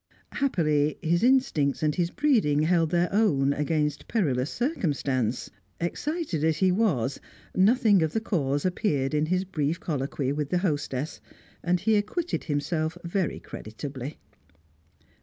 Happily, his instincts and his breeding held their own against perilous circumstance; excited as he was, nothing of the cause appeared in his brief colloquy with the hostess, and he acquitted himself very creditably.